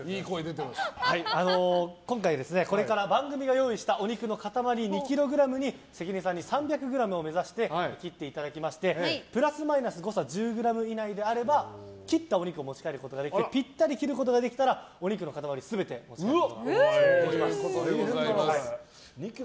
今回、これから番組が用意したお肉の塊およそ２ｋｇに関根さんに３００ｇを目指して切っていただきましてプラスマイナス誤差１０ｇ以内であれば切ったお肉を持ち帰ることができぴったり切ることができればお肉の塊全部差し上げます。